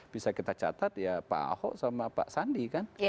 bisa kita catat ya pak ahok sama pak sandi kan